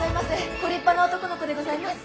ご立派な男の子でございます。